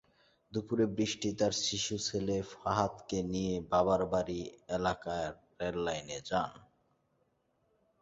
দুপুরে বৃষ্টি তাঁর শিশু ছেলে ফাহাদকে নিয়ে বাবার বাড়ির এলাকার রেললাইনে যান।